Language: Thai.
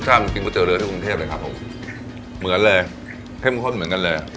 รสชาติเหมือนกินแต่เจอเรือที่กรุงเทพเลยค่ะผมเหมือนเลยเท่มข้นเหมือนกันเลย